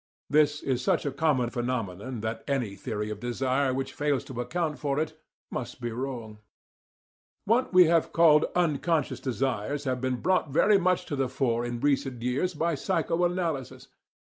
This is such a common phenomenon that any theory of desire which fails to account for it must be wrong. What have been called "unconscious" desires have been brought very much to the fore in recent years by psycho analysis.